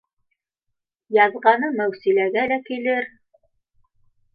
Яҙғаны Мәүсиләгә лә килер